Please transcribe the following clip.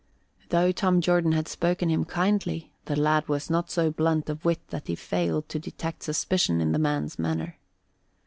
Though Tom Jordan had spoken him kindly, the lad was not so blunt of wit that he failed to detect suspicion in the man's manner.